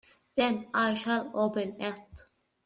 Then I shall open it.